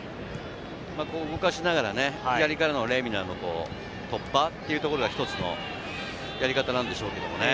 動かしながら左からのレミナの突破というところが一つのやり方なんでしょうけれどもね。